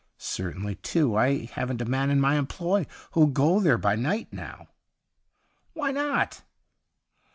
Certainly, too, I haven't a man in my employ who'll go there by night now.' ' Why not